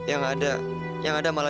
aku udah berubah